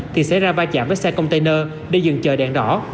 thì xảy ra va chạm với xe container đi dừng chờ đèn đỏ